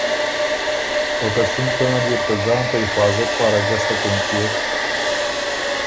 او که څُون څۀ نل يې بو ته ځان ته حفاظت پاره ګستک اېنچيېک